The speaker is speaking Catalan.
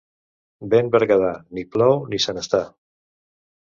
Vent berguedà, ni plou ni se n'està.